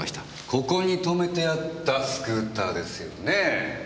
ここに止めてあったスクーターですよね？